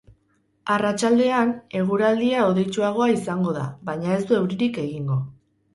Arratsaldean, eguraldia hodeitsuagoa izango da, baina ez du euririk egingo.